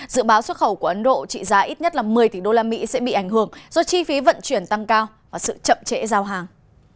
dự báo xuất khẩu của ấn độ trị giá ít nhất một mươi tỷ đô la mỹ sẽ bị ảnh hưởng do chi phí vận chuyển tăng cao và sự chậm trễ giao hàng